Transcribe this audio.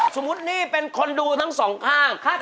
สมมุตินี่เป็นคนดูทั้งสองข้าง